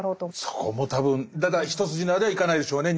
そこも多分一筋縄ではいかないでしょうね。